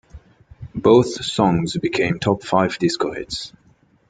Both songs became top five disco hits.